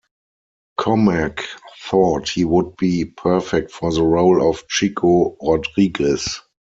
Komack thought he would be perfect for the role of Chico Rodriguez.